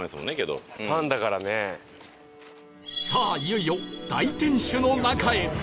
さあいよいよ大天守の中へ